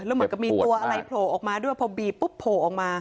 แล้วเหมือนกับมีตัวอะไรโผล่ออกมาด้วยพอบีบปุ๊บโผล่ออกมา